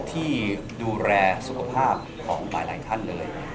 ที่ดูแลสุขภาพของหลายท่านเลย